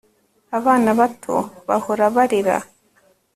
Abana bato bahora barira